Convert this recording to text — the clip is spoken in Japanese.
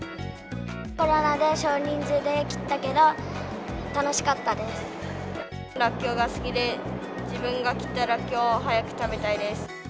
コロナで少人数で切ったけど、ラッキョウが好きで、自分が切ったラッキョウを早く食べたいです。